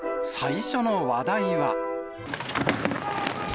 最初の話題は。